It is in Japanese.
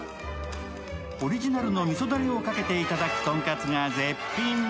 オリジナルのみそだれをかけていただくとんかつが絶品。